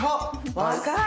若い！